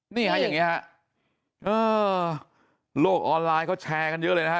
นี่ฮะอย่างนี้ฮะเออโลกออนไลน์เขาแชร์กันเยอะเลยนะฮะ